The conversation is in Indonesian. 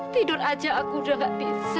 tidur aja aku udah gak bisa